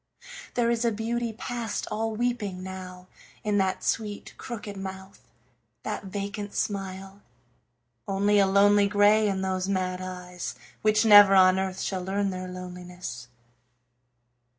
There is a beauty past all weeping now In that sweet, crooked mouth, that vacant smile; Only a lonely grey in those mad eyes, Which never on earth shall learn their loneliness.